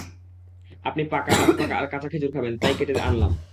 আপনি পাকা, আধপাকা আর কাঁচা খেজুর খাবেন, তাই তা কেটে আনলাম।